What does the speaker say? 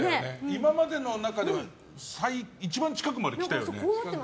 今までの中では一番近くまで来たね。